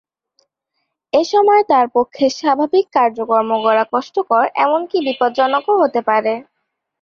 এ সময় তার পক্ষে স্বাভাবিক কাজকর্ম করা কষ্টকর, এমনকি বিপজ্জনকও হতে পারে।